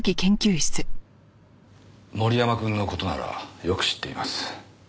森山くんの事ならよく知っています。